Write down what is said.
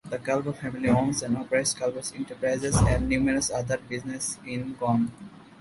The Calvo family owns and operates Calvo’s Enterprises and numerous other businesses in Guam.